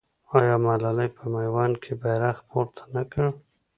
آیا ملالۍ په میوند کې بیرغ پورته نه کړ؟